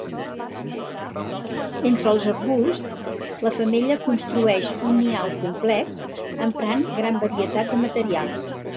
Entre els arbusts, la femella construeix un nial complex, emprant gran varietat de materials.